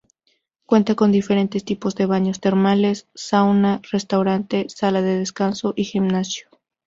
Cuenta con diferentes tipos de baños termales, sauna, restaurante, sala de descanso y gimnasio.